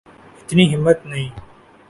اتنی ہمت نہیں۔